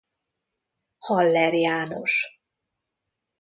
Haller János.